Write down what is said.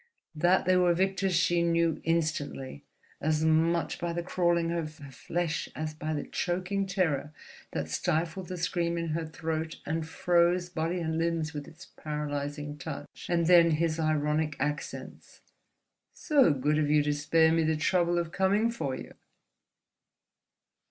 That they were Victor's she knew instantly, as much by the crawling of her flesh as by the choking terror that stifled the scream in her throat and froze body and limbs with its paralyzing touch. And then his ironic accents: "So good of you to spare me the trouble of coming for you!"